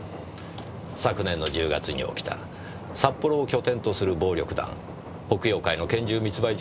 昨年の１０月に起きた札幌を拠点とする暴力団北洋会の拳銃密売事件でしたね。